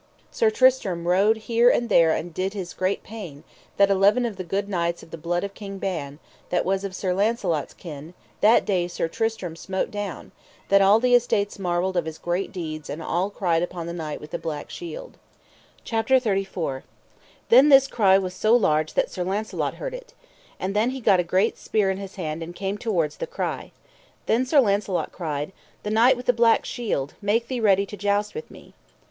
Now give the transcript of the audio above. Then Sir Tristram rode here and there and did his great pain, that eleven of the good knights of the blood of King Ban, that was of Sir Launcelot's kin, that day Sir Tristram smote down; that all the estates marvelled of his great deeds and all cried upon the Knight with the Black Shield. CHAPTER XXXIII. How Sir Launcelot hurt Sir Tristram, and how after Sir Tristram smote down Sir Palomides. Then this cry was so large that Sir Launcelot heard it. And then he gat a great spear in his hand and came towards the cry. Then Sir Launcelot cried: The Knight with the Black Shield, make thee ready to joust with me.